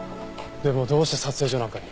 でもどうして撮影所なんかに。